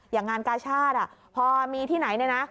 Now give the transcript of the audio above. อย่างงานกาชาติพอมีที่ไหนเนี่ยนะ